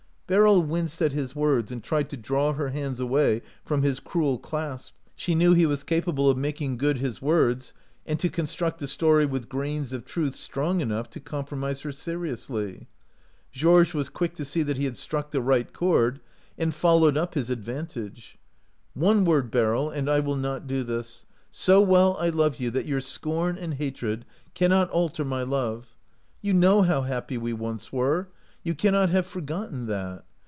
Beryl winced at his words and tried to draw her hands away from his cruel clasp. She knew he was capable of making good his words and to construct a story with grains of truth strong enough to compromise her seriously. Georges was quick to see 146 OUT OF BOHEMIA that he had struck the right chord, and fol lowed up his advantage. " Ope word, Beryl, and I will not do this ; so well I love you that your scorn and hatred cannot alter my love. You know how happy we were once ; you cannot have forgotten that.